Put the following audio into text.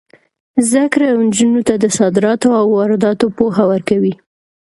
زده کړه نجونو ته د صادراتو او وارداتو پوهه ورکوي.